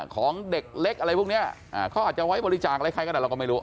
ของเด็กเล็กอะไรพวกนี้เขาอาจจะไว้บริจาคอะไรใครก็ได้เราก็ไม่รู้